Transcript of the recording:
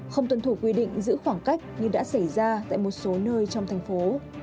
không tuân thủ quy định giữ khoảng cách như đã xảy ra tại một số nơi trong thành phố